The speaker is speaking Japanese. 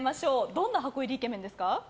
どんな箱入りイケメンですか？